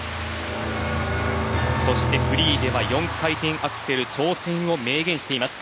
そしてフリーでは４回転アクセル挑戦を明言しています。